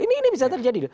ini bisa terjadi